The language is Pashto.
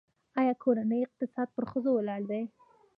آیا د کورنۍ اقتصاد پر ښځو ولاړ دی؟